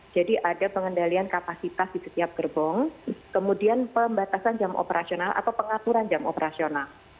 jadi ada pengendalian kapasitas di setiap gerbong kemudian pembatasan jam operasional atau pengaturan jam operasional